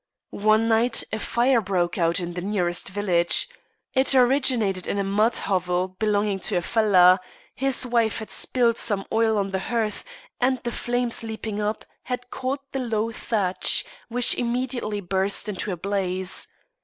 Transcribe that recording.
One night a fire broke out in the nearest village. It originated in a mud hovel belonging to a fellah; his wife had spilled some oil on the hearth, and the flames leaping up had caught the low thatch, which immediately burst into a blaze.